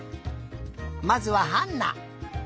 まずはハンナ。